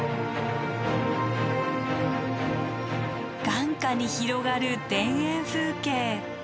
眼下に広がる田園風景。